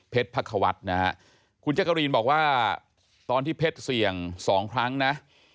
พักควัฒน์นะฮะคุณจักรีนบอกว่าตอนที่เพชรเสี่ยง๒ครั้งนะ